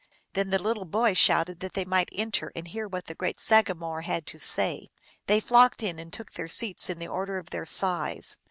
Then the little boy shouted that they might enter and hear what the great sagamore had to say. They flocked in, and took their seats in the order of their size.